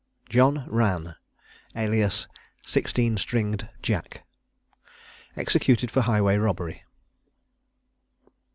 JOHN RANN, alias SIXTEEN STRINGED JACK. EXECUTED FOR HIGHWAY ROBBERY.